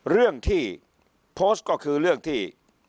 เรื่องที่โพสต์ก็คือเรื่องที่